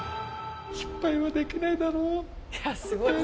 失敗はできないだろうえぇ？